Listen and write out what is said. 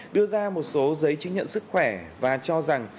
đưa ra một số giấy chứng nhận sức khỏe và cho rằng